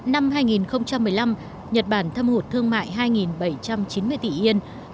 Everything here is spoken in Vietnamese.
năm hai nghìn một mươi năm nhật bản thâm hụt thương mại hai bảy trăm chín mươi tỷ yên